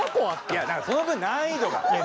いやだからその分難易度が。